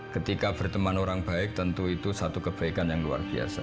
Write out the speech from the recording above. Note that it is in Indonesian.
ketika berteman orang baik tentu itu satu kebaikan yang luar biasa